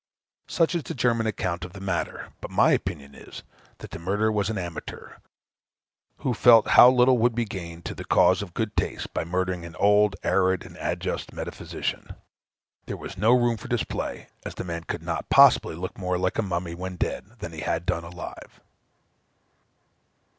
Such is the German account of the matter; but my opinion is that the murderer was an amateur, who felt how little would be gained to the cause of good taste by murdering an old, arid, and adust metaphysician; there was no room for display, as the man could not possibly look more like a mummy when dead, than he had done alive.